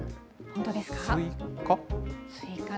本当ですか？